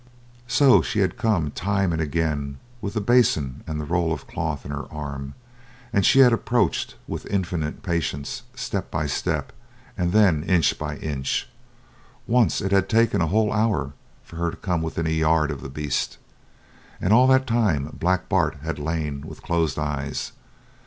So she had come, time and again, with the basin and the roll of cloth in her arm, and she had approached with infinite patience, step by step, and then inch by inch. Once it had taken a whole hour for her to come within a yard of the beast. And all that time Black Bart had lain with closed eyes.